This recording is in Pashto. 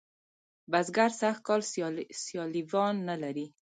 بزگر سږ کال سیاليوان نه لري.